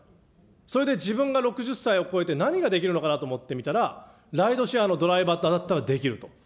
それで自分が６０歳を超えて何ができるのかと思ってみたら、ライドシェアのドライバーだったらできると。